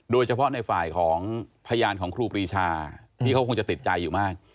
โดยเฉพาะในฝ่ายของพยานของครูปรีชาที่เขาคงจะติดใจอยู่มาก